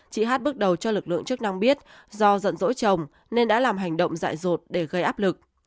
chị hát bước đầu cho lực lượng chức năng biết do rận rỗi chồng nên đã làm hành động dại rột để gây áp lực